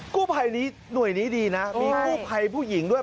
กู้ภัยนี้หน่วยนี้ดีนะมีกู้ภัยผู้หญิงด้วย